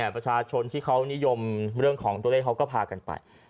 ประชาชนที่เขานิยมเรื่องของตัวเลขเขาก็พากันไป